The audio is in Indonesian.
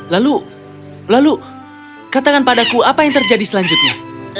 lalu lalu katakan padaku apa yang terjadi selanjutnya